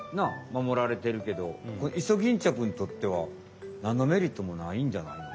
守られてるけどイソギンチャクにとってはなんのメリットもないんじゃないの？